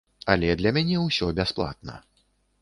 Але для мяне ўсё бясплатна.